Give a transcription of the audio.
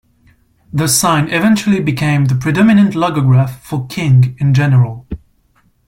The sign eventually became the predominant logograph for "King" in general.